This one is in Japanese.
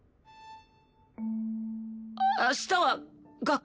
明日は学校来る？